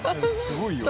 すごいよ。